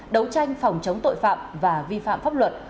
đấu tranh phòng chống tội phạm và vi phạm pháp luật